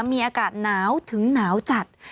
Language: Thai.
มีอากาศหนาวถึงหนาวจัด